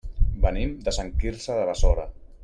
Venim de Sant Quirze de Besora.